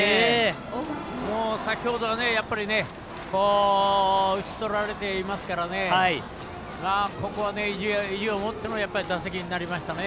先ほどは打ち取られていますからここは意地を持っての打席になりましたね。